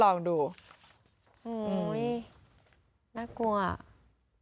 โปรดติดตามตอนต่อไป